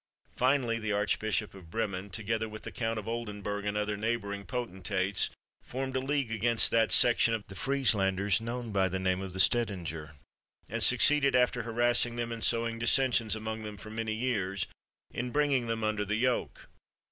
Finally, the Archbishop of Bremen, together with the Count of Oldenburg and other neighbouring potentates, formed a league against that section of the Frieslanders known by the name of the Stedinger, and succeeded, after harassing them and sowing dissensions among them for many years, in bringing them under the yoke.